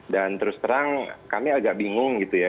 dan terus terang kami agak bingung gitu ya